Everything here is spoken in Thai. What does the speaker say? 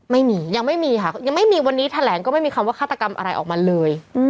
ยังไม่มีค่ะยังไม่มีวันนี้แถลงก็ไม่มีคำว่าฆาตกรรมอะไรออกมาเลย